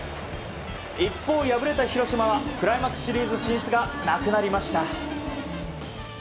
一方、敗れた広島はクライマックスシリーズ進出がなくなりました。